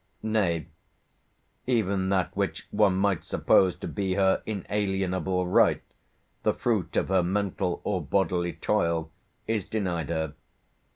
Nay, Even that which one might suppose to be her inalienable right, the fruit of her mental or bodily toil, is denied her.